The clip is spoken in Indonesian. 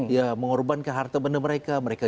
ya mengorbankan harta benda mereka mereka